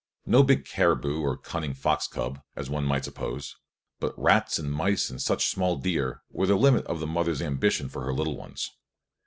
No big caribou or cunning fox cub, as one might suppose, but "rats and mice and such small deer" were the limit of the mother's ambition for her little ones.